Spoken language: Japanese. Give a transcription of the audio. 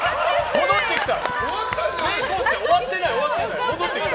戻ってきた！